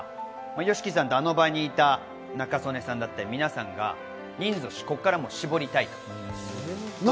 ＹＯＳＨＩＫＩさんとあの場にいた仲宗根さんだったり、皆さんがここから人数を絞りたいと。